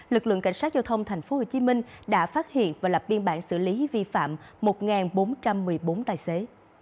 lực lượng cảnh sát giao thông tp hcm đã phát hiện và lập biên bản xử lý vi phạm một bốn trăm một mươi bốn tài xế